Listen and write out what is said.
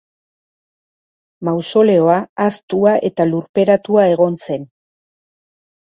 Mausoleoa, ahaztua eta lurperatua egon zen.